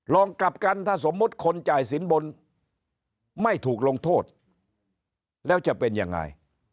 ลองกลับกันถ้าสมมุติคนจ่ายสินบนไม่ถูกลงโทษแล้วจะเป็นยังไง